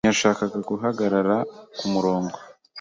ntiyashakaga guhagarara kumurongo.